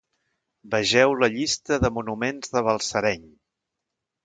Vegeu la llista de monuments de Balsareny.